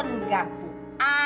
di negara aku